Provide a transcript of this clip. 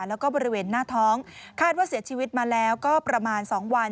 แล้วก็บริเวณหน้าท้องคาดว่าเสียชีวิตมาแล้วก็ประมาณ๒วัน